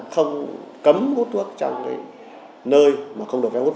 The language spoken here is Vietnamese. không cấm hút thuốc trong cái nơi mà không được phép hút